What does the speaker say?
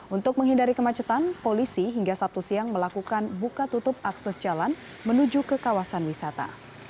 untuk menghindari kemacetan polisi hingga sabtu siang melakukan buka tutup akses jalan menuju ke kawasan wisata